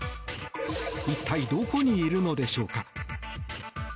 一体、どこにいるのでしょうか。